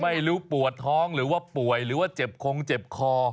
ไม่รู้ปวดท้องหรือว่าป่วยหรือว่าเจ็บคงเจ็บคอ